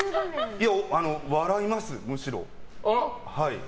笑います、むしろ。